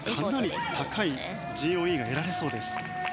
かなり高いＧＯＥが得られそうです。